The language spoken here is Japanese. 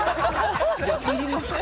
いや「いりますか？」